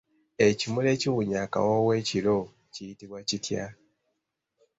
Ekimuli ekiwunya akawoowo ekiro kiyitibwa kitya?